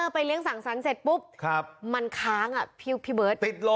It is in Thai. ไปเลี้ยสั่งสรรค์เสร็จปุ๊บมันค้างพี่เบิร์ต